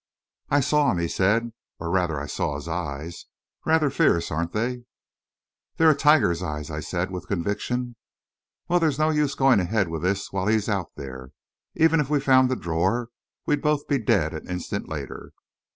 "I saw him," he said. "Or, rather, I saw his eyes. Rather fierce, aren't they?" "They're a tiger's eyes," I said, with conviction. "Well, there is no use going ahead with this while he is out there. Even if we found the drawer, we'd both be dead an instant later."